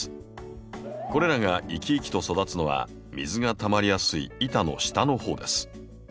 これらが生き生きと育つのは水がたまりやすい板の下のほうです。